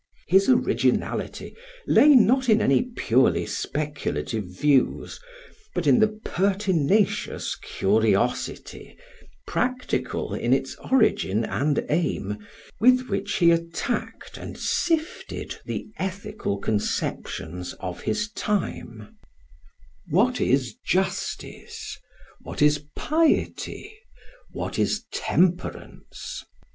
His originality lay not in any purely speculative views, but in the pertinacious curiosity, practical in its origin and aim, with which he attacked and sifted the ethical conceptions of his time: "What is justice?" "What is piety?" "What is temperance?"